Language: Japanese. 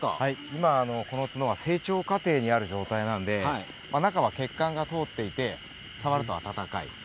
今、この爪は角が成長過程にある状態なので中は血管が通っていて触ると温かいです。